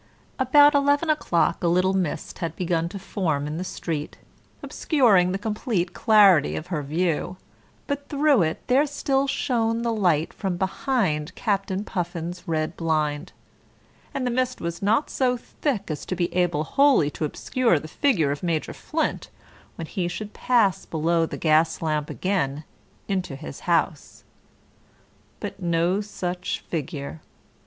About eleven o'clock a little mist had begun to form in the street, obscuring the complete clarity of her view, but through it there still shone the light from behind Captain Puffin's red blind, and the mist was not so thick as to be able wholly to obscure the figure of Major Flint when he should pass below the gas lamp again into his house. But no such figure.